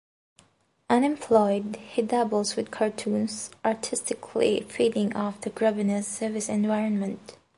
Unemployed, he dabbles with cartoons, artistically feeding off the grubbiness of his environment.